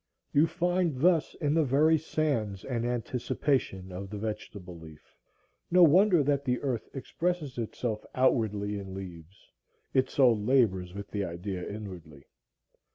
You find thus in the very sands an anticipation of the vegetable leaf. No wonder that the earth expresses itself outwardly in leaves, it so labors with the idea inwardly.